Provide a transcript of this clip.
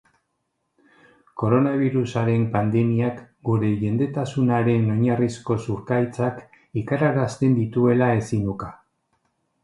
Koronabirusaren pandemiak gure jendetasunaren oinarrizko zurkaitzak ikararazten dituela ezin uka.